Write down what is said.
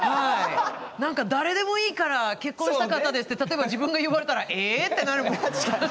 なんか誰でもいいから結婚したかったですって例えば自分が言われたら「え！」ってなるもん。